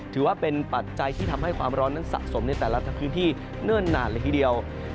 ถือว่าเป็นปัจจัยที่ทำให้ความร้อนนั้นสะสมในแต่ละพื้นที่เนิ่นนานเลยทีเดียว